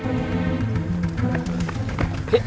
tolong dibantu ya